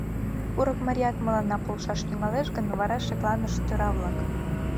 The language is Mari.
Курыкмарият мыланна полшаш тӱҥалеш гын, вара шекланышт тӧра-влак!»